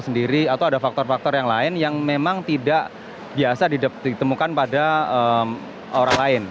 sendiri atau ada faktor faktor yang lain yang memang tidak biasa ditemukan pada orang lain